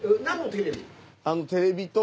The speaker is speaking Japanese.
何のテレビ？